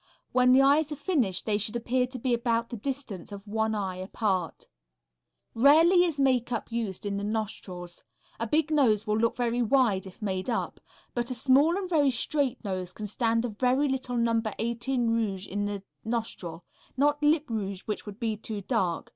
When the eyes are finished they should appear to be about the distance of one eye apart. Rarely is makeup used in the nostrils. A big nose will look very wide if made up, but a small and very straight nose can stand a very little number 18 rouge in the nostril not lip rouge, which would be too dark.